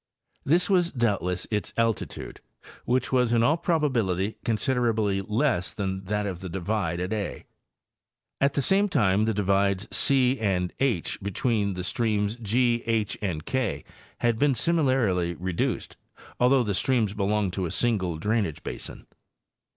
This was doubtless its altitude, which was in all probability considerably less than that of the divide at a. At the same time the divides e and h, between the streams G, H and K, had been similarly reduced, although the streams belong to a single drainage basin.